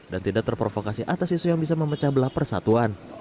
dan tidak terprovokasi atas isu yang bisa memecah belah persatuan